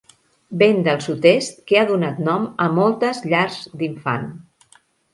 Vent del sud-est que ha donat nom a moltes llars d'infant.